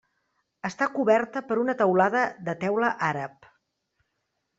Està coberta per una teulada de teula àrab.